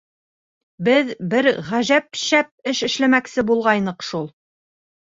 Беҙ бер ғәжәп шәп эш эшләмәксе булғайныҡ шул.